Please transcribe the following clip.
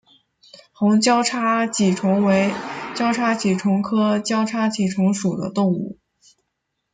红交叉棘虫为交叉棘虫科交叉棘虫属的动物。